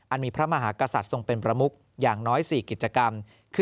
มีพระมหากษัตริย์ทรงเป็นประมุกอย่างน้อย๔กิจกรรม